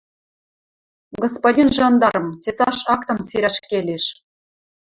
– Господин жандарм, цецаш актым сирӓш келеш.